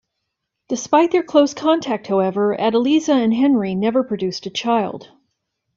Despite their close contact, however, Adeliza and Henry never produced a child.